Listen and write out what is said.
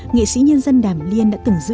nghệ sĩ nhân dân đàm liên đã từng giữ